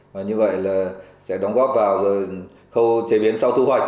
và như vậy là sẽ đóng góp vào khâu chế biến sau thu hoạch